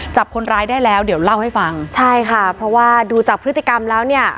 จับคนร้ายได้แล้วเดี๋ยวเล่าให้ฟังใช่ค่ะเพราะว่าดูจากพฤติกรรมแล้วเนี่ย